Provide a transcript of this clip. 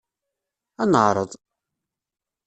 Ad neɛreḍ!